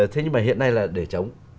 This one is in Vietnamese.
thế nhưng mà hiện nay là để chống